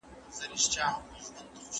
وروسته پاته والی د کار په کولو ختمیږي.